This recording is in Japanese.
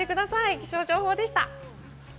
気象情報でした。